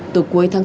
từ cuối tháng bốn